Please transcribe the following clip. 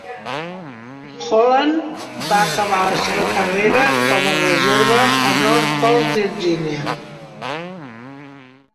"Holland" va acabar la seva carrera com a reserva a Norfolk, Virginia.